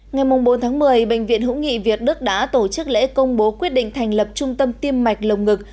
ngày bốn tháng một mươi bệnh viện hữu nghị việt đức đã tổ chức lễ công bố quyết định thành lập trung tâm tiêm mạch lồng ngực